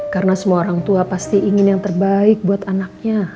karena semua orang tua pasti ingin yang terbaik buat anaknya